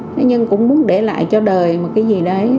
thế nhưng cũng muốn để lại cho đời một cái gì đấy